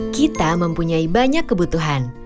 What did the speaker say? kita mempunyai banyak kebutuhan